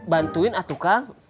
bantuin atau kang